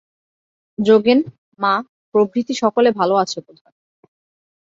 যোগেন-মা প্রভৃতি সকলে ভাল আছে বোধ হয়।